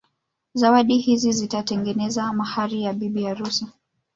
Zawadi hizi zitatengeneza mahari ya bibi harusi